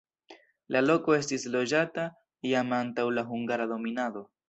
La loko estis loĝata jam antaŭ la hungara dominado.